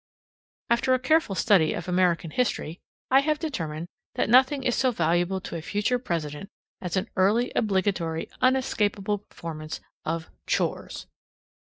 After a careful study of American history, I have determined that nothing is so valuable to a future president as an early obligatory unescapable performance of CHORES.